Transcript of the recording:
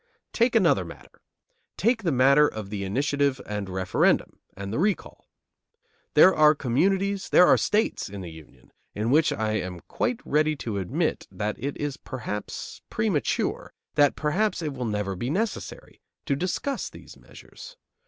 Take another matter. Take the matter of the initiative and referendum, and the recall. There are communities, there are states in the Union, in which I am quite ready to admit that it is perhaps premature, that perhaps it will never be necessary, to discuss these measures.